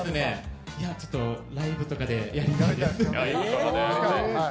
ちょっとライブとかでやりたいです。